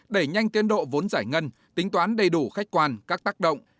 đẩy nhanh tiến độ vốn giải ngân tính toán đầy đủ khách quan các tác động